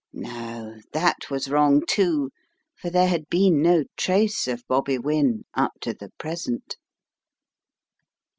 ... No, that was wrong, too, for there had been no trace of Bobby Wynne — up to the present.